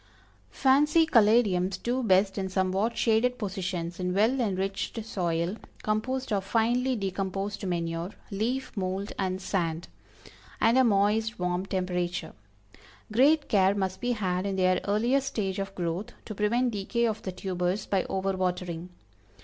Fancy Caladiums do best in somewhat shaded positions, in well enriched soil, composed of finely decomposed manure, leaf mold and sand, and a moist, warm temperature. Great care must be had in their earliest stage of growth, to prevent decay of the tubers by over watering.